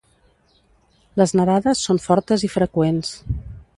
Les nevades són fortes i freqüents.